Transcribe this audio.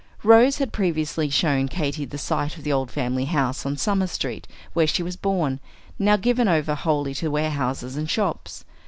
Rose had previously shown Katy the site of the old family house on Summer Street, where she was born, now given over wholly to warehouses and shops.